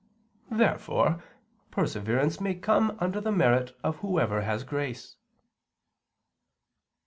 Therefore perseverance may come under the merit of whoever has grace.